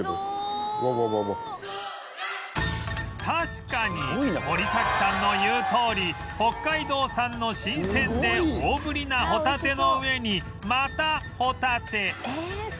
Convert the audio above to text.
確かに森崎さんの言うとおり北海道産の新鮮で大ぶりなホタテの上にまたホタテ